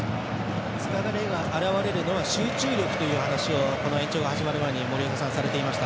疲れが表れるのは集中力という話をこの延長が始まる前に森岡さんはされていました。